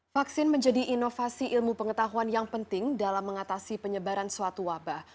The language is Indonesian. vaksin menjadi inovasi ilmu pengetahuan yang penting dalam mengatasi penyebaran suatu wabah